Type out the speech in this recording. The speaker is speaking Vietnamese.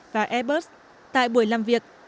và airbus tại buổi làm việc